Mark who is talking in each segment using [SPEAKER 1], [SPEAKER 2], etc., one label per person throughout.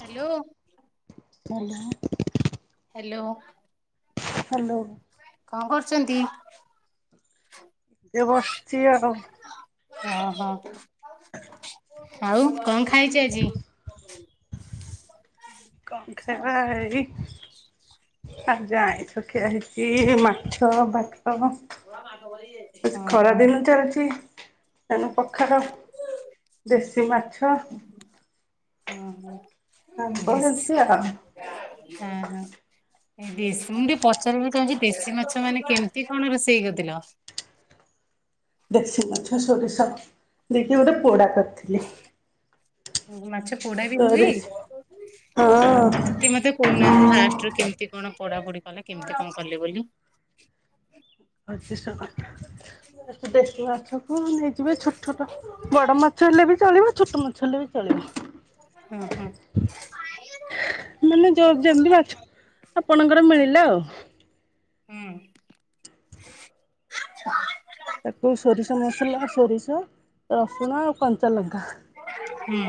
[SPEAKER 1] Hello.
[SPEAKER 2] Hello [unintelligible]
[SPEAKER 1] hello.
[SPEAKER 2] Hello.
[SPEAKER 1] କଅଁ କରୁଛନ୍ତି?
[SPEAKER 2] ଏ ବସିଛି ଆଉ।
[SPEAKER 1] ଓହୋ ଆଉ କଅଁ ଖାଇଚେ ଆଜି?
[SPEAKER 2] କଣଖରେ ଭ [unintelligible] ଆ ଆଜି ଆଇଁଷ ଖୁଆ ହେଇଛି ମାଛ ଭାତ
[SPEAKER 1] ବ ମା ଗ କର [unintelligible]
[SPEAKER 2] ଖରା ଦିନ ଚାଲିଛି ତେଣୁ ପଖାଳ। ଦେଶୀ ମାଛ
[SPEAKER 1] ଓହୋ
[SPEAKER 2] ଆମ୍ବ
[SPEAKER 1] ଦେଶ୍
[SPEAKER 2] ଏମିତି ଆଉ
[SPEAKER 1] ହଁ ହଁ ଏ ଦେଶୀ ମୁଁ ଟିକେ ପଚାରିବି ଆଜି ଦେଶୀ ମାଛ ସେ ମାନେ କେମିତି କଣ ରୋଷେଇ କରିଥିଲ?
[SPEAKER 2] ଦେଶୀ ମାଛ ସୋରିଷ ଦେଇକି ଗୋଟେ ପୋଡା କରିଥିଲି।
[SPEAKER 1] ମାଛ ପୋଡା ବି ହୁଏ
[SPEAKER 2] ସୋରିଷ ହଁ
[SPEAKER 1] କେହି ମତେ କହୁନାହାନ୍ତି ଫାଷ୍ଟ୍ କେମିତି କଣ ପୋଡା ପୋଡି କଲେ କେମିତି କଣ କଲେ ବୋଲି?
[SPEAKER 2] ଦେଶୀ ମାଛକୁ ନେଇଯିବେ ଛୋଟ୍ ଛୋଟ ବଡ ମାଛ ହେଲେ ବି ଚଳିବ ଛୋଟ ମାଛ ହେଲେ ବି ଚଳିବ।
[SPEAKER 1] ହୁଁ-ହୁଁ।
[SPEAKER 2] ମାନେ ଜ- ଯେମିତି ମାଛ ଆପଣଙ୍କର ମିଳିଲା ଆଉ।
[SPEAKER 1] ହୁଁ।
[SPEAKER 2] ତାକୁ ସୋରିଷ ମସଲା, ସୋରିଷ, ରସୁଣ ଆଉ କଞ୍ଚାଲଙ୍କା
[SPEAKER 1] ହୁଁ।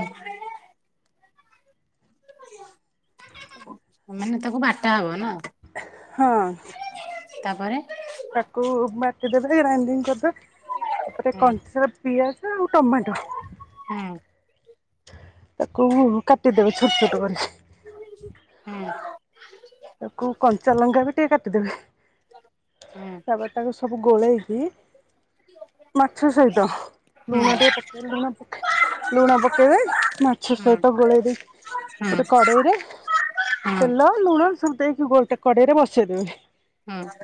[SPEAKER 1] ମାନେ ତାକୁ ବାଟା ହବ ନୁହଁ?
[SPEAKER 2] ହଁ।
[SPEAKER 1] ତାପରେ?
[SPEAKER 2] ତାକୁ ବାଟିଦେବେ ଗ୍ରାଇଣ୍ଡିଙ୍ଗ୍ କରିଦେବେ ତାପରେ
[SPEAKER 1] ହୁଁ
[SPEAKER 2] କଞ୍ଚା ପିଆଜ ଆଉ ଟମାଟୋ
[SPEAKER 1] ହୁଁ
[SPEAKER 2] ତାକୁ କାଟିଦେବେ ଛୋଟ୍ ଛୋଟ୍ କରି।
[SPEAKER 1] ହଁ।
[SPEAKER 2] ତାକୁ କଞ୍ଚା ଲଙ୍କା ବି ଟିକେ କାଟିଦେବେ ତାପରେ ତାକୁ ସୁ ସବୁ ଗୋଳେଇକି ମାଛ ସହିତ
[SPEAKER 1] ହୁଁ ହୁଁ
[SPEAKER 2] ଲୁଣ ଟିକେ ପକ୍ ଲୁଣ ପକେ- ଲୁଣ ପକେଇବେ ମାଛ
[SPEAKER 1] ହୁଁ
[SPEAKER 2] ସହିତ ଗୋଳେଇ ଦେଇ
[SPEAKER 1] ହୁଁ
[SPEAKER 2] ଗୋଟେ କଡେଇରେ
[SPEAKER 1] ହୁଁ
[SPEAKER 2] ତେଲ ଲୁଣ ସବୁ ଦେଇକି ଗୋଟେ କଡେଇ ରେ ବସେଇ ଦେବେ
[SPEAKER 1] ହଁ।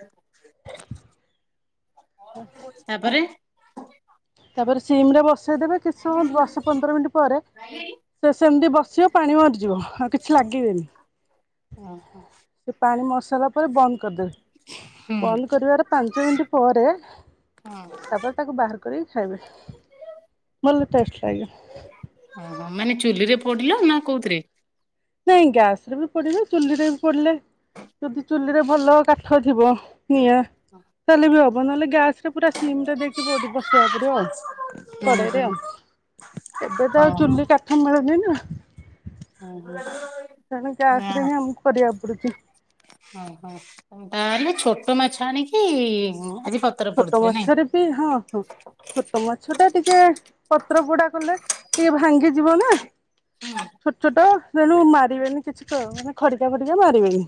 [SPEAKER 2] [inaudible]
[SPEAKER 1] ତାପରେ?
[SPEAKER 2] ତାପରେ ସିମ୍ ରେ ବସେଇଦବେ କିଛି ସମୟ ଦଶ ପନ୍ଦର ମିନିଟ୍ ପରେ ସେ ସେମିତି ବସିବ ପାଣି ମରିଯିବ ଆଉ କିଛି ଲାଗିବେନି।
[SPEAKER 1] ଓହୋ।
[SPEAKER 2] ସେ ପାଣି ମରିସାରିଲା ପରେ ବନ୍ଦ୍ କରିଦେବେ।
[SPEAKER 1] ହୁଁ
[SPEAKER 2] ବନ୍ଦ୍ କରିବାର ପାଞ୍ଚ ମିନିଟ୍ ପରେ ତାପରେ ତାକୁ ବାହାର କରିକି ଖାଇବେ ଭଲ ଟେଷ୍ଟ୍ ଲାଗିବ।
[SPEAKER 1] ଓହୋ ମାନେ ଚୁଲି ରେ ପୋଡିଲ ନା କଉଥିରେ?
[SPEAKER 2] ନାଇଁ ଗ୍ୟାସ୍ ରେ ବି ପୋଡିବେ ଚୁଲିରେ ବି ପୋଡିଲେ ଯଦି ଚୁଲିରେ ଭଲ କାଠ ଥିବ ନିଆଁ ତାହେଲେ ବି ହବ ନହେଲେ ଗ୍ୟାସ୍ ରେ ପୁରା ସିମ୍ ରେ ଦେଇକି ବ- ବସେଇବାକୁ ପଡିବ ଆଉ।
[SPEAKER 1] ହୁଁ
[SPEAKER 2] କଡେଇରେ
[SPEAKER 1] ହୁଁ
[SPEAKER 2] ଆଉ ଏବେ ତ ଆଉ
[SPEAKER 1] ଓହୋ
[SPEAKER 2] ଚୁଲି କାଠ ମିଳୁନି ନା।
[SPEAKER 1] [unintelligible]
[SPEAKER 2] ତେଣୁ
[SPEAKER 1] ନା
[SPEAKER 2] ଗ୍ୟାସ୍ ରେ ହିଁ ଆମକୁ କରିବାକୁ ପଡୁଚି।
[SPEAKER 1] ହଁ -ହଁ ତାହେଲେ ଛୋଟ ମାଛ ଆଣିକି ଆଜି ପ
[SPEAKER 2] ଛୋଟ ମାଛରେ ବି ହଁ ପୋ ଛୋଟ ମାଛ ଟା ଟିକେ ପତ୍ର ପୋଡା କଲେ ଟିକେ ଭାଙ୍ଗିଯିବ ନା।
[SPEAKER 1] ହୁଁ
[SPEAKER 2] ଛୋଟ୍ ଛୋଟ୍ ତେଣୁ ମାରିବେନି କିଛି ତ ଆଉ ମାନେ ଖଡିକା ଫଡିକା ମାରିବେନି।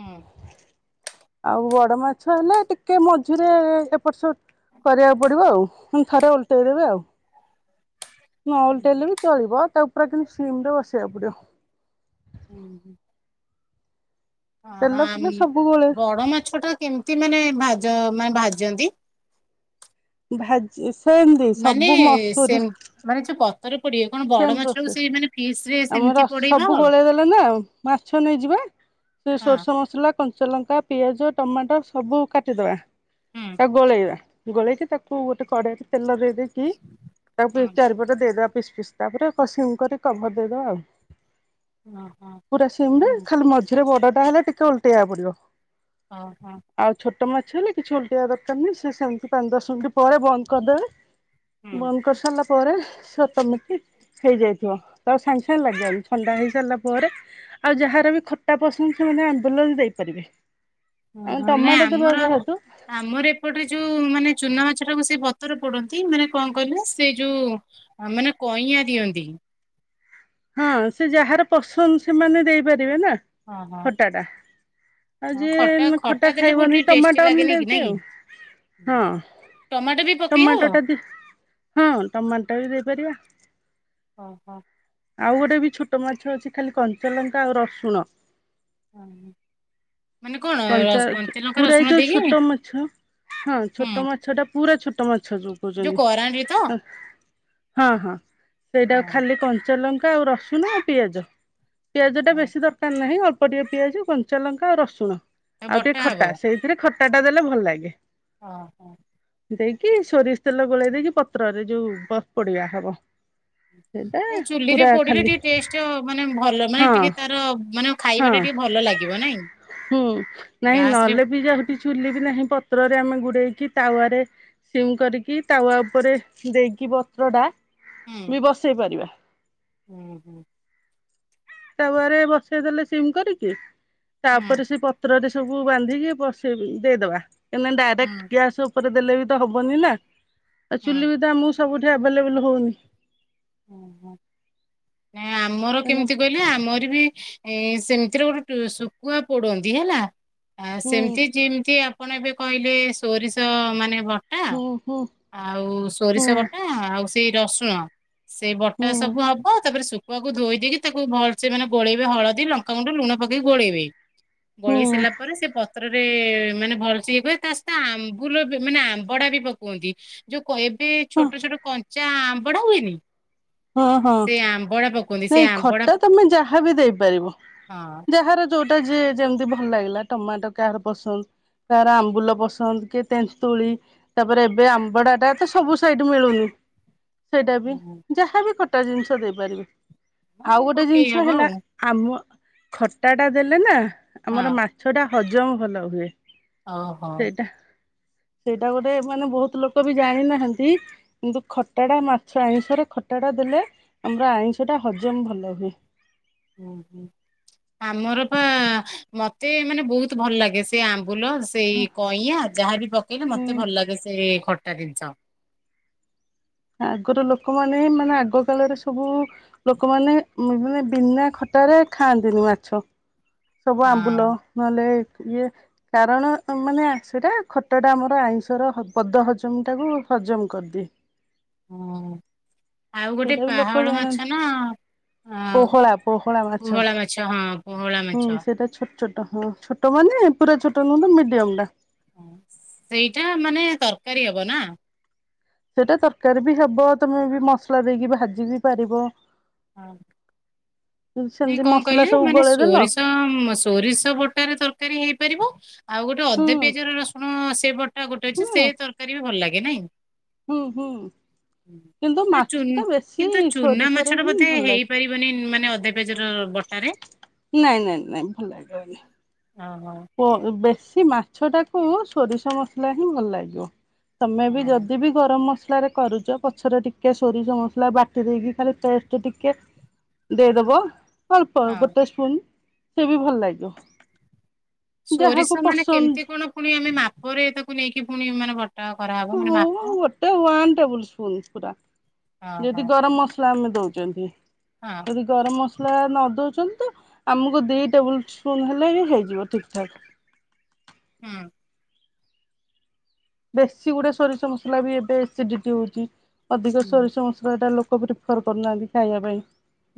[SPEAKER 1] ହୁଁ।
[SPEAKER 2] ଆଉ ବଡ ମାଛ ହେଲେ ଟିକେ ମଝିରେ ଏପଟ୍ ସେପଟ୍ କରିବାକୁ ପଡିବ ଆଉ ହଁ ଥରେ ଓଲ୍ଟେଇ ଦେବେ ଆଉ। ନ ଓଲ୍ଟେଇଲେ ବି ଚଳିବ ତାକୁ ପୁରି କିନ୍ତୁ ସିମ୍ ରେ ବସେଇବାକୁ ପଡିବ।
[SPEAKER 1] ଉଁ ହୁଁ। ହଁ ହଁ
[SPEAKER 2] ତେଲ
[SPEAKER 1] ଆମ
[SPEAKER 2] ଫେଲ ସବୁ ଗୋଳେଇ
[SPEAKER 1] ବଡ ମାଛ ଟା କେମିତି ମାନେ ଭାଜ ମାନେ ଭାଜନ୍ତି।
[SPEAKER 2] ଭାଜି ସେମିତି
[SPEAKER 1] ମାନେ
[SPEAKER 2] ସବୁ
[SPEAKER 1] ସେ
[SPEAKER 2] ମସୁରୀ
[SPEAKER 1] ମାନେ ଯୋଉ ପତର ପଡିବା
[SPEAKER 2] ସେମେ ପ୍ରୋସେସ ଆମର
[SPEAKER 1] ପୋଡେଇ ହବ?
[SPEAKER 2] ସବୁ ଗୋଳେଇ ଦେଲେ ନା ମାଛ ନେଇଯିବେ ସେ
[SPEAKER 1] ହଁ
[SPEAKER 2] ସୋରଷ ମସଲା କଞ୍ଚଲଙ୍କା ପିଆଜ ଟମାଟୋ ସବୁ କାଟିଦବା।
[SPEAKER 1] ହୁଁ
[SPEAKER 2] ତାକୁ ଗୋଳେଇବା ଗୋଳେଇକି ତାକୁ ଗୋଟେ କଡେଇରେ ତେଲ ଦେଇେ ଦେଇ କି ତାକୁ
[SPEAKER 1] ହୁଁ
[SPEAKER 2] ଚାରିପଟେ ଦେଇଦବା ପିସ୍ ପିସ୍ ତାପରେ କସିଙ୍ଗ କରି କଭର ଦେଇଦବା ଆଉ।
[SPEAKER 1] ହଁ ହଁ।
[SPEAKER 2] ପୁରା ସିମିରେ ଖାଲି ମଝିରେ ବଡଟା ହେଲେ ଟିକେ ଓଲଟେଇବାକୁ ପଡିବ।
[SPEAKER 1] ଓହୋ।
[SPEAKER 2] ଆଉ ଛୋଟ ମାଛ ହେଲେ କିଛି ଓଲଟେଇବା ଦରକାର ନାହିଁ ସେ ସେମିତି ପାଞ୍ଚ ଦଶ ମିନିଟ୍ ପରେ ବନ୍ଦ କରିଦେବେ
[SPEAKER 1] ହୁଁ
[SPEAKER 2] ବନ୍ଦ କରି ସାରିଲା ପରେ ସତମୀକି ହେଇଯାଇଥିବ ତାଙ୍କୁ ସାଙ୍ଗେ ସାଙ୍ଗେ ଲାଗି ବାନି ଥଣ୍ଡା ହେଇସାରିଲା ପରେ ଆଉ ଯାହାର ବି ଖଟା ପସନ୍ଦ ସେମାନେ ଆମ୍ବୁଲ ବି ଦେଇପାରିବେ। ଆଉ
[SPEAKER 1] ଓହୋ ନା
[SPEAKER 2] ଟମାଟୋ ଦେବା
[SPEAKER 1] ଆମର
[SPEAKER 2] ଯେହେତୁ
[SPEAKER 1] ଆମର ଏପଟରେ ଯୋଉ ମାନେ ଚୁନା ମାଛ ଟାକୁ ସେ ପତର ପୋଡନ୍ତି ମାନେ କଣ କହିଲେ ସେ ଯୋଉ ଆ ମାନେ କଇଁଆ ଦିଅନ୍ତି।
[SPEAKER 2] ହଁ ସେ ଯାହାର ପସନ୍ଦ ସେମାନେ ଦେଇପାରିବେ ନା
[SPEAKER 1] ହଁ ହଁ
[SPEAKER 2] ଖଟାଟା। ଆଉ
[SPEAKER 1] ହଁ
[SPEAKER 2] ଜିଏ ଖଟା
[SPEAKER 1] ଦେଲେ ବହୁତ
[SPEAKER 2] ଖାଇବନି
[SPEAKER 1] ଟିକେ ଟେଷ୍ଟି
[SPEAKER 2] ଟମାଟୋ ଆମ
[SPEAKER 1] ଲାଗେନି କି
[SPEAKER 2] ଦେଉଚି
[SPEAKER 1] ନାଇଁ
[SPEAKER 2] ଆଉ
[SPEAKER 1] କି
[SPEAKER 2] ହଁ।
[SPEAKER 1] ଟମାଟୋ ବି ପକେଇ
[SPEAKER 2] ଟମାଟୋ
[SPEAKER 1] ହବ।
[SPEAKER 2] ଟା ଦି ହଁ ଟମାଟୋ ଟା ବି ଦେଇପାରିବା।
[SPEAKER 1] ଓ ହୋ।
[SPEAKER 2] ଆଉ ଗୋଟେ ବି ଛୋଟ ମାଛ ଅଛି ଖାଲି କଞ୍ଚାଲଙ୍କା ଆଉ ରସୁଣ
[SPEAKER 1] ହଁ ହଁ।
[SPEAKER 2] କଞ୍ଚା
[SPEAKER 1] ଲଙ୍କା
[SPEAKER 2] ପୁରା ଏ
[SPEAKER 1] ରସୁଣ
[SPEAKER 2] ଯୋଉ
[SPEAKER 1] ଦେଇକି ହୁଁ
[SPEAKER 2] ଛୋଟ ମାଛ ହଁ ଛୋଟ ମାଛଟା ପୁରା ଛୋଟ ମାଛ ଯୋଉ କୋଉଚନ୍ତି
[SPEAKER 1] କରାଣ୍ଡି ତ
[SPEAKER 2] ହଁ ହଁ। ସେଇଟାକୁ
[SPEAKER 1] ହଁ
[SPEAKER 2] ଖାଲି କଞ୍ଚାଲଙ୍କା ଆଉ ରସୁଣ ଆଉ ପିଆଜ ପିଆଜଟା
[SPEAKER 1] ହଁ
[SPEAKER 2] ବେଶୀ ଦର କାର ନାହିଁ ଅଳ୍ପ ଟିକେ ପିଆଜ କଞ୍ଚାଲଙ୍କା ଆଉ ରସୁଣ
[SPEAKER 1] ତା
[SPEAKER 2] ଆଉ ଟିକେ
[SPEAKER 1] ବଟା ହବ
[SPEAKER 2] ଖଟା ସେଇ ଥିରେ ଖଟା ଟା ଦେଲେ ଭଲ ଲାଗେ।
[SPEAKER 1] ହଁ ହଁ।
[SPEAKER 2] ଦେଇକି ସୋରିଷ ତେଲ ଗୋଳେଇ ଦେଇକି ପତ୍ରରେ ଯୋଉ ବରପଡିଆ ହବ। ସେଇଟା
[SPEAKER 1] ଏ ଚୁଲିରେ
[SPEAKER 2] ପୁରା
[SPEAKER 1] ପୋଡିିଲେ
[SPEAKER 2] ଖାଲି
[SPEAKER 1] ଟିକେ ଟେଷ୍ଟ ମାନେ ଭଲ ମାନେ
[SPEAKER 2] ହଁ
[SPEAKER 1] ଟିକେ ତାର ମାନେ
[SPEAKER 2] ହଁ
[SPEAKER 1] ଖାଇବା ଟା ଟିକେ ଭଲ ଲାଗିବ ନାଇଁ?
[SPEAKER 2] ହୁଁ ନାଇଁ ନ
[SPEAKER 1] ଗ୍ୟାସ ରେ
[SPEAKER 2] ହେଲେ ଚୁଲି ବି ନାହିଁ ପତ୍ରରେ ଆମେ ଗୁଡେଇକି ତାୱାରେ ସିମ୍ କରିକି ତାୱା ଉପରେ ଦେଇକି ବତ୍ରଟା
[SPEAKER 1] ହୁଁ
[SPEAKER 2] ବି ବସେଇ ପାରିବା।
[SPEAKER 1] ହୁଁ ହୁଁ।
[SPEAKER 2] ତାୱାରେ ବସେଇ ଦେଲେ ସିମ୍ କରିକି
[SPEAKER 1] ହୁଁ
[SPEAKER 2] ତାପରେ ସେ ପ ପତ୍ରରେ ସବୁ ବାନ୍ଧିକି ବସେଇ ଦେଇଦବା ଏ ମାନେ ଡାଇରେକ୍ଟ
[SPEAKER 1] ହୁଁ
[SPEAKER 2] ଗ୍ୟାସ୍ ଉ ଉପରେ ଦେଲେ ବି ତ ହବନି ନା ଆଉ
[SPEAKER 1] ହୁଁ
[SPEAKER 2] ଚୁଲି ବି ତ ଆମକୁ ସବୁଠି ଆଭେଲେବୁଲ ହଉନି।
[SPEAKER 1] ନାଇଁ ଆମର
[SPEAKER 2] କାହିଁକିନା
[SPEAKER 1] କେମିତି କଇ ଆମର ବି ଏ ସେମିତିରେ ଗୋଟେ ଟୁ ଶୁଖୁଆ ପୋଡନ୍ତି ହେଲା। ଆ
[SPEAKER 2] ହୁଁ
[SPEAKER 1] ସେମିତି ଯେମିତି ଆପଣ ଏବେ କହିଲେ ସୋରିଷ ମାନେ ବ ଟା
[SPEAKER 2] ହୁଁ ହୁଁ
[SPEAKER 1] ଆଉ
[SPEAKER 2] ହୁଁ
[SPEAKER 1] ସୋରିଷ ବଟା ଆଉ ସେଇ ରସୁଣ ସେଇ ବଟା
[SPEAKER 2] ହୁଁ
[SPEAKER 1] ସବୁ ହବ ଯପରେ ଶୁ। ଶୁକୁଆକୁ ଧୋଇ ଦେଇକି ତାକୁ ଭଲସେ ମାନେ ଗୋଳେଇବେ ହଳଦୀ, ଲଙ୍କାଗୁଣ୍ଡ, ଲୁଣ ପକେଇ ଗୋଳେଇବେ।
[SPEAKER 2] ହୁଁ
[SPEAKER 1] ଗୋଳେଇ ସାରିଲା ପରେ ସେ ପ। ପତ୍ରରେ ମାନେ ଭଲସେ ଇଏ କରି ତା ସହିତ ଆମ୍ବୁଲ ବି ମାନେ ଆମ୍ବଡା ବି ପକୋନ୍ତି। ଯୋଉ କ ଏବେ
[SPEAKER 2] ହଁ
[SPEAKER 1] ଛୋଟ ଛୋଟ କଞ୍ଚା ଆମ୍ବଡା ହୁଏନି?
[SPEAKER 2] ହଁ ହଁ
[SPEAKER 1] ସେ ଆମ୍ବଡା ପକୁଅନ୍ତି ସେ
[SPEAKER 2] ନାଇଁ
[SPEAKER 1] ଆମ୍ବଡା
[SPEAKER 2] ଖଟା
[SPEAKER 1] ପ-
[SPEAKER 2] ତମେ ଯାହା ବି ଦେଇପାରିବ
[SPEAKER 1] ହଁ
[SPEAKER 2] ଯାହାର। ଯୋଉଟା ଯିଏ ଯେମିତି ଭଲ ଲାଗିଲା ଟମାଟୋ କାହାର ପସନ୍ଦ। କାହାର ଆମ୍ବୁଲ ପସନ୍ଦ କିଏ ତେନ୍ତୁଳି। ତାପରେ ଏବେ ଆମ୍ବଡା ଟା ତ ସବୁ ସାଇଟ୍ ମିଳୁନି। ସେଇଟା ବି
[SPEAKER 1] ହୁଁ,
[SPEAKER 2] ଯାହାବି ଖଟା ଜିନିଷ ଦେଇପାରିବେଆଉ
[SPEAKER 1] ହଁ
[SPEAKER 2] ଗୋଟେ
[SPEAKER 1] ପକେଇ
[SPEAKER 2] ଜିନିଷ
[SPEAKER 1] ହବ ଆଉ
[SPEAKER 2] ହେଲା। ଆମ ଖଟା ଟା ଦେଲେ ନା ଆମର
[SPEAKER 1] ହଁ
[SPEAKER 2] ମାଛଟା ହଜମ ଭଲ ହୁଏ।
[SPEAKER 1] ଓହୋ
[SPEAKER 2] ସେଇଟା ସେଇଟା ଗୋଟେ ମାନେ ବହୁତ୍ ଲୋକ ବି ଜାଣିନାହାନ୍ତି। କିନ୍ତୁ ଖଟା ଟା ମାଛ ଆଇଁଷରେ ଖଟା ଟା ଦେଲେ ଆମର ଆଇଁଷ ଟା ହଜମ ଭଲ ହୁଏ।
[SPEAKER 1] ଓ ହୋ ଆମର ପା ମତେ ମାନେ ବହୁତ୍ ଭଲ ଲାଗେ ସେ। ସେ ଆମ୍ବୁଲ ସେଇ କଇଁଆ ଯାହା ବି ପକେଇଲେ
[SPEAKER 2] ହୁଁ
[SPEAKER 1] ମତେ ଭଲ ଲାଗେ ସେ ଖଟା ଜିନିଷ।
[SPEAKER 2] ଆଗୁରୁ ଲୋକମାନେ ହିଁ ମାନେ ଆଗକାଳରେ ସବୁ। ଲୋକମାନେ ମାନେ ବିନା ଖଟାରେ ଖାଆନ୍ତିନି ମାଛ। ସବୁ ଆମ୍ବୁଲ ନ ହେଲେ ଇଏ। କାରଣ ମାନେ ଆଇଁଷ ଟା ଖଟା ଟା ଆମର ଆଇଁଷର ବଦ ହଜମଟାକୁ ହଜମ କରିଦିଏ।
[SPEAKER 1] ହଁ ଆଉ ଗୋଟେ
[SPEAKER 2] ସେଇଟା ବି ଲୋକ
[SPEAKER 1] ପାହାଳ ମାଛ
[SPEAKER 2] ଜାଣନ୍ତି
[SPEAKER 1] ନା। ଆ
[SPEAKER 2] ପୋହଳା ପୋହଳା ମାଛ
[SPEAKER 1] ପୋହଳା ହଁ ପୋହଳା
[SPEAKER 2] ହୁଁ
[SPEAKER 1] ମାଛ
[SPEAKER 2] ସେଟା ଛୋଟ। ଛୋଟ ହଁ ଛୋଟ ମାନେ ପୁରା ଛୋଟ ନୁହଁ ତ ମିଡିୟମ ଟା।
[SPEAKER 1] ସେଇଟା ମାନେ ତରକାରୀ ହବ ନା?
[SPEAKER 2] ସେଇଟା ତରକାରୀ ବି ହବ ତମେ ବି ମସଲା ଦେଇକି ଭାଜି ବି ପାରିବ।
[SPEAKER 1] ହଁ ନାଇଁ
[SPEAKER 2] ସେମିତି
[SPEAKER 1] କଣ
[SPEAKER 2] ମସଲା
[SPEAKER 1] କହିଲେ
[SPEAKER 2] ସବୁ
[SPEAKER 1] ମାନେ
[SPEAKER 2] ଗୋଳେଇ ଦେଲ
[SPEAKER 1] ସୋରିଷ ସୋରିଷ ବ। ବଟା ରେ ତରକାରୀ ହେଇପାରିବ। ଆଉ ଗୋଟେ
[SPEAKER 2] ହୁଁ
[SPEAKER 1] ଅଦା ପିଆଜର ରସୁଣ ସେ ବଟା ଗୋଟେ ଅଛି ସେ
[SPEAKER 2] ହୁଁ
[SPEAKER 1] ତରକାରୀ ବି ଭଲ ଲାଗେ ନାଇଁ?
[SPEAKER 2] ହୁଁ ହୁଁ କିନ୍ତୁ
[SPEAKER 1] ନା
[SPEAKER 2] ମାଛ
[SPEAKER 1] ଚୁନ
[SPEAKER 2] ଟା ବେଶୀ
[SPEAKER 1] କିନ୍ତୁ ଚୁନା
[SPEAKER 2] ସୋରିଷରେ
[SPEAKER 1] ମାଛଟା ବ।
[SPEAKER 2] ହିଁ
[SPEAKER 1] ଏ ତେ
[SPEAKER 2] ଭଲ ଲାଗେ
[SPEAKER 1] ହେଇପାରିବନି ମାନେ ଅଦା ପିଆଜର ବଟାରେ।
[SPEAKER 2] ନାଇଁ ନାଇଁ ନାଇଁ ଭଲ ଲାଗିବନି
[SPEAKER 1] ହ ହଁ।
[SPEAKER 2] ବେଶୀ ମାଛ ଟାକୁ ସୋରିଷ ମସଲା ହିଁ ଭଲ ଲାଗିବ ତମେ ବି
[SPEAKER 1] ହଁ।
[SPEAKER 2] ଯଦି ବି। ଗରମ ମସଲା ରେ କରୁଛ ପଛରେ ଟିକେ ସୋରିଷ ମସଲା ବାଟି ଦେଇକି ଖାଲି ଟେଷ୍ଟ ଟିକେ। ଦେଇଦବ ଅଳ୍ପ
[SPEAKER 1] ହଁ।
[SPEAKER 2] ଗୋଟେ ସ୍ପୁନ୍ ସେ ବି ଭଲ ଲାଗିବ। ଯାହାକୁ
[SPEAKER 1] ସୋରିଷା ମାନେ କେମିତି
[SPEAKER 2] ପସନ୍ଦ
[SPEAKER 1] କଣ ପୁଣି ଆମେ ମାପ ରେ ତାକୁ ନେଇକି ପୁଣି ମାନେ ଭର।
[SPEAKER 2] ଉମ୍ ଗୋଟେ ୱାନ୍ ଟେବଲସ୍ପୁନ୍ ପୁରା
[SPEAKER 1] ହଁ
[SPEAKER 2] ଯଦି ଗରମ ମସଲା। ମ ଦଉଛନ୍ତି। [unintelligible]
[SPEAKER 1] ହଁ।
[SPEAKER 2] ଯଦି ଗରମ ମସଲା ନ ଦଉଛନ୍ତି ତ ଆମକୁ ଦି ଟେବୁଲ ସ୍ପୁନ ହେଲେ ବି ହେଇଯିବ ଠିକ ଠାକ।
[SPEAKER 1] ହୁଁ।
[SPEAKER 2] ବେଶୀ ଗୁଡେ ସୋରିଷ ମସଲା ବି ଏବେ ଏସିଡିଟି ହଉଛି ଅଧିକ
[SPEAKER 1] ହୁଁ।
[SPEAKER 2] ସୋରିଷ ମସଲାଟା ଲୋକ। [unintelligible] କରଗୋନ୍ତି ଗାଇାବ ପାଇଁ।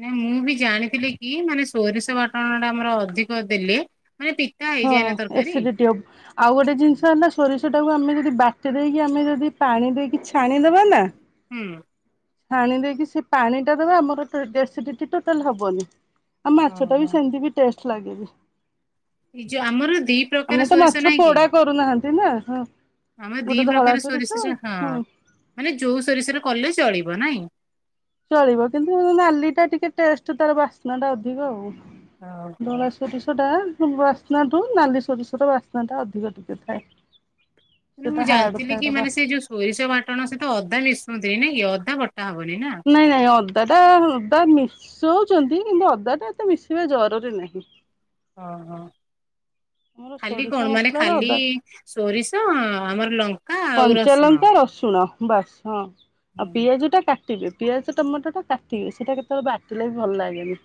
[SPEAKER 1] ନା ମୁଁ ବି ଜାଣିଥିଲି କି ମାନେ ସୋରିଷ ବାଟଣ ଟା ଆମର ଅଧିକ ଦେଲେ ମାନେ ପି।
[SPEAKER 2] ହଁ ଏସିଡିଟି ଆଉ ଗୋଟେ ଜିନିଷ ହେଲା। ସୋରିଷ ଟାକୁ ଆମେ ଯଦି ବାଟି ଦେଇକି ଆମେ ଯଦି ପାଣି ଦେଇକି ଛାଣିଦବା ନା।
[SPEAKER 1] ହୁଁ।
[SPEAKER 2] ଛାଣି ଦେଇକି ସେ ପାଣି ଟା ଦେବା ଆମରଡେସିଡିଟି ଟୋଟାଲ ହବନି। ଆଉ ମାଛ ଟା ବି
[SPEAKER 1] ଓହୋ।
[SPEAKER 2] ସେମିତି ବି ଟେଷ୍ଟ ଲାଗେ।
[SPEAKER 1] ନି ଯୋଉ ଆମର ଦୀପ ଦୀ
[SPEAKER 2] ଆମେ
[SPEAKER 1] ପ୍ରକାର
[SPEAKER 2] ତ ମାଛ
[SPEAKER 1] ସୋରିଷ ନାଇଁ କି
[SPEAKER 2] ପୋଡା କରୁନାହାନ୍ତି ନା ହଁ।
[SPEAKER 1] ଆମର ଦି
[SPEAKER 2] ଗୋଟେ ଧଳା
[SPEAKER 1] ପ୍ରକାର ସୋରିଷ ହଁ।
[SPEAKER 2] ହୁଁ
[SPEAKER 1] ମାନେ ଯୋଉ ସରିଷରେ କଲେ ଚଳିବ ନାଇଁ?
[SPEAKER 2] ଚଳିବ କିନ୍ତୁ ନାଲି ଟା ଟିକେ ଟେଷ୍ଟ ତାର ବାସ୍ନା ଟା ଅଧିକ ଆଉ।
[SPEAKER 1] ଓହୋ।
[SPEAKER 2] ସୋରିଷ ଟା ବାସ୍ନାଠୁ ନାଲି ସୋରିଷ ଟା ବାସ୍ନା ଟା ଅଧିକ ଟିକେ ଥାଏ। ସେଟା
[SPEAKER 1] ମୁଁ
[SPEAKER 2] ହାର୍ଡ
[SPEAKER 1] ଜାଣିଥିଲି
[SPEAKER 2] ଥାଏ
[SPEAKER 1] କି
[SPEAKER 2] ତା
[SPEAKER 1] ମାନେ
[SPEAKER 2] ବାସ୍ନା
[SPEAKER 1] ସେ ଯୋଉ ସୋରିଷ ବାଟଣ ସେ ତ ଅଦା ମିଶୁନି ନାଇଁ କି ଅଦା ବଟା ହବନି ନା?
[SPEAKER 2] ନାଇଁ ନାଇଁ ଅଦା ଟା ଅଦା ମିଶଉଚନ୍ତି କିନ୍ତୁ ଅଦା ଟା ଏତେ ମିଶିବା ଜରୁରୀ ନାହିଁ।
[SPEAKER 1] ଅ ହ।
[SPEAKER 2] ଆମର
[SPEAKER 1] ଖାଲି
[SPEAKER 2] ସୋରିଷ
[SPEAKER 1] କଣ ମାନେ
[SPEAKER 2] ମସଲାରେ
[SPEAKER 1] ଖାଲି
[SPEAKER 2] ଅଦା
[SPEAKER 1] ସୋରିଷ ଆମର ଲଙ୍କା ଆଉ ରସ
[SPEAKER 2] କଞ୍ଚାଲଙ୍କା ରସୁଣ ବାସ ହଁ ଆଉ ପିଆଜ ଟା କାଟି [unintelligible] ପିଆଜ ଟମାଟଟା କାଟି ବେ ସେଟା କେତବେଳେ ବାଟିଲେ ବି ଭଲ ଲାଗେନି।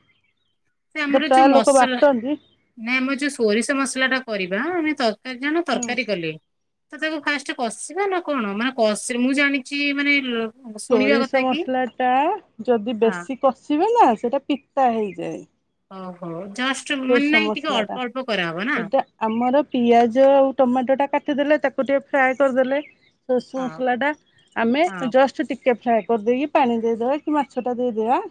[SPEAKER 1] ସେ ଆମର ଯୋଉ
[SPEAKER 2] [unintelligible] ଲୋକ
[SPEAKER 1] ମସଲା
[SPEAKER 2] ବାଟନ୍ତି।
[SPEAKER 1] ନାଇଁ ଆମର ଯୋଉ ସୋରିଷ ମସଲା ଟା କରିବା ଆମେ ତରକାରୀ ଜାଣ
[SPEAKER 2] ହୁଁ।
[SPEAKER 1] ତରକାରୀ କଲେ। ତ ତାକୁ ଫାଷ୍ଟେ କଷିବା ନା କଣ ମାନେ କ ମୁଁ ଜାଣିଚି ମାନେଲୋ
[SPEAKER 2] ସୋରିଷ ମସଲାଟା ଯଦି
[SPEAKER 1] ହଁ
[SPEAKER 2] ବେଶୀ କଷିବେ ନା ସେଟା ପିତା ହେଇଯାଏ।
[SPEAKER 1] ଓହୋ ଜଷ୍ଟ ମାନେ
[SPEAKER 2] ସୋରିଷ
[SPEAKER 1] ନାଇଁ ଟିକେ
[SPEAKER 2] ମସଲା ଟା।
[SPEAKER 1] ଅଳ୍ପ ଅଳ୍ପ କରାହବ ନା?
[SPEAKER 2] ସେଇଟା ଆମର ପିଆଜ ଆଉ ଟମାଟଟା କାଟିଦେଲେ ତାକୁ ଟିକେ ଫ୍ରାଏ କରିଦେଲେ ସୋତିଷ
[SPEAKER 1] ହଁ
[SPEAKER 2] ମସଲା ଟା ଆମେ
[SPEAKER 1] ହଁ
[SPEAKER 2] ଜଷ୍ଟ ଟିକେ ଟିକେ ଫ୍ରାଏ କରିଦେଇକି ପାଣି ଦେଇଦବା କି ମାଛ ଟା ଦେଇଦବା।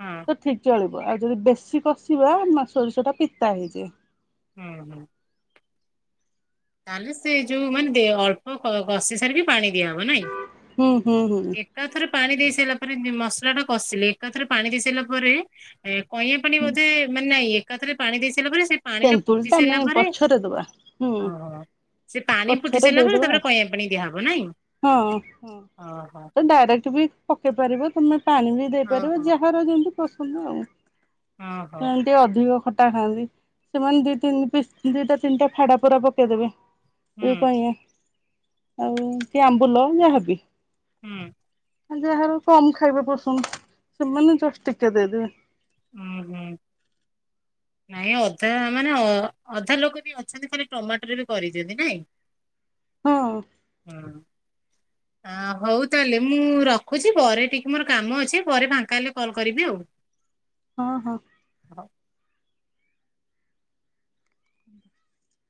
[SPEAKER 1] ହଁ।
[SPEAKER 2] ଠିକ୍ ଚଳିବ ଆଉ ଯଦି ବେଶୀ କଷିବା ସୋରିଷ ଟା ପିତା ହେଇଯାଏ।
[SPEAKER 1] ହୁଁ ହୁଁ। ତାହେଲେ ସେ ଯୋଉ ମାନେ ଅଳ୍ପ କଷି ସାରିକି ପାଣି ଦିଆହବ ନାଇଁ?
[SPEAKER 2] ହୁଁ ହୁଁ ହୁଁ ହୁଁ
[SPEAKER 1] ଏକାଥରେ ପାଣି ଦେଇ ସାରିଲା ପରେ ମସଲା ଟା କଷିଲି ଏକାଥରେ ପାଣି ଦେଇ ସାରିଲା ପରେ କଇଁଆ ପାଣି ବୋଧେ ମାନେ ଏକା ଥରକେ ପାଣି ଦେଇ ସାରିଲା ପରେ ସେ ପାଣି
[SPEAKER 2] ତେନ୍ତୁଳି
[SPEAKER 1] ଫୁଟି
[SPEAKER 2] ଟା ଆମେ
[SPEAKER 1] ସାରିଲା ପରେ
[SPEAKER 2] ପଛରେ ଦବା ହୁଁ।
[SPEAKER 1] ଓହୋ। ସେ ପାଣି ଫୁଟି
[SPEAKER 2] ପଛରେ
[SPEAKER 1] ସାରିଲା ପରେ
[SPEAKER 2] ଦେଇଦବା
[SPEAKER 1] ତାପରେ କଇଁଆ ପାଣି ଦିଆହବ ନାଇଁ?
[SPEAKER 2] ହଁ ହଁ
[SPEAKER 1] ଓହୋ।
[SPEAKER 2] ଡାଇରେକ୍ଟ ବି ପକେଇ ପାରିବ ତମେ ପାଣି ବି ଦେଇପାରିବ
[SPEAKER 1] ଓହୋ
[SPEAKER 2] ଯାହାର ଯେମିତି ପସନ୍ଦ ଆଉ।
[SPEAKER 1] ଅ ହ।
[SPEAKER 2] ଯିଏ ଅଧିକ ଖଟା ଖାଆନ୍ତି ସେମାନେ ଦି ତିନି ପିସ ଦିଟା ତିନିଟା ଫାଡା ପୁରା ପକେଇଦେବେ।
[SPEAKER 1] ହୁଁ
[SPEAKER 2] ଏ କଇଁଆ ଆଉ କି ଆମ୍ବୁଲ ଯାହାବି।
[SPEAKER 1] ହୁଁ।
[SPEAKER 2] ହଁ ଯାହାର କମ ଖାଇବା ପସନ୍ଦ ସେମାନେ ଜଷ୍ଟ ଟିକେ ଦେବେ।
[SPEAKER 1] ହୁଁ ହୁଁ। ନାଇଁ ଅଧା ମାନେ ଅଧା ଲୋକ ବି ଅଛନ୍ତି ଖାଲି ଟମାଟରେ ବି କରିଦିଅନ୍ତି ନାଇଁ।
[SPEAKER 2] ହଁ
[SPEAKER 1] [unintelligible] ହଁହୋଉ ତାଲେ ମୁଁ ରଖୁଚି ପରେ ଟିକେ ମୋର କାମ ଅଛି ପରେ ଫାଙ୍କା ହେଲେ କଲ୍ କରିବି ଆଉ।
[SPEAKER 2] ହଁ ହଁ।
[SPEAKER 1] [unintelligible]